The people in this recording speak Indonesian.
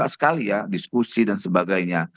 sekali ya diskusi dan sebagainya